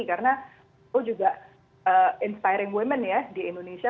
karena itu juga inspiring women ya di indonesia